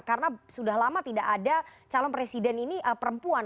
karena sudah lama tidak ada calon presiden ini perempuan